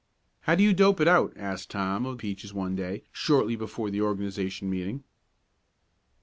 "How do you dope it out?" asked Tom of Peaches one day, shortly before the organization meeting.